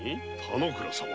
田之倉様。